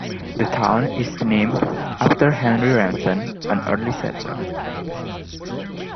The town is named after Henry Remsen, an early settler.